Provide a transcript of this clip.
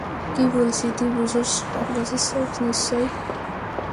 কি বলছি তুমি বুঝেছ নিশ্চয়।